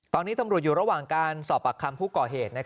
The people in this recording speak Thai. ตอนนี้ตำรวจอยู่ระหว่างการสอบปากคำผู้ก่อเหตุ